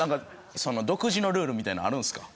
その独自のルールみたいなのあるんすか？